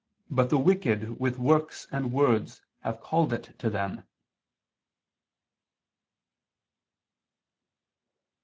. but the wicked with works and words have called it to them."